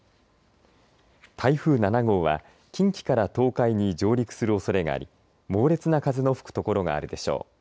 台風７号は近畿から東海に上陸するおそれがあり猛烈な風の吹くところがあるでしょう。